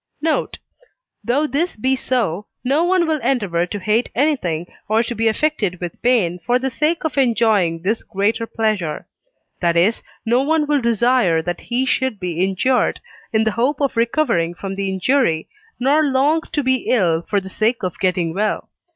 Note. Though this be so, no one will endeavour to hate anything, or to be affected with pain, for the sake of enjoying this greater pleasure; that is, no one will desire that he should be injured, in the hope of recovering from the injury, nor long to be ill for the sake of getting well.